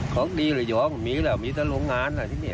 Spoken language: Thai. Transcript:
ของดีแต่หยอดมีแค่โรงงานาที่นี้